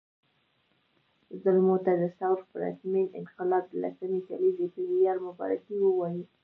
زلمو ته د ثور پرتمین انقلاب د لسمې کلېزې په وياړ مبارکي وایم